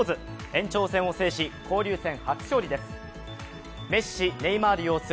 延長戦を制し、交流戦初勝利です。